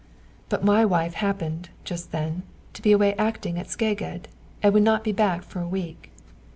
But my wife happened, just then, to be away acting at Szeged, and would not be back for a week.